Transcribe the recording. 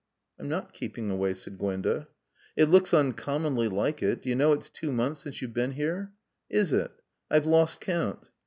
"I'm not keeping away," said Gwenda. "It looks uncommonly like it. Do you know it's two months since you've been here?" "Is it? I've lost count."